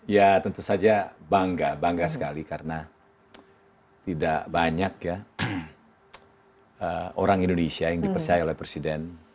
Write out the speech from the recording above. ya tentu saja bangga bangga sekali karena tidak banyak ya orang indonesia yang dipercaya oleh presiden